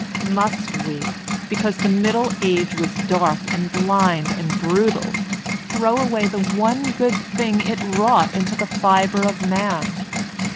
Must we, because the Middle Agt was dark and blind and brutal, thn^w awny the one pood thing it wrought into the fihro of M.in.